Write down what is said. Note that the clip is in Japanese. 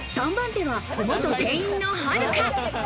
３番手は元店員のはるか。